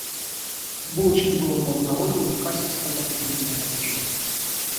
В булочной было много народу, и к кассе стояла длинная очередь.